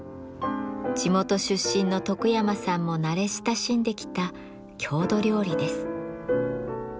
地元出身の徳山さんも慣れ親しんできた郷土料理です。